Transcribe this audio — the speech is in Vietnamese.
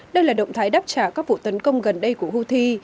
đây là động thái đáp trả các vụ tấn công gần đây của houthi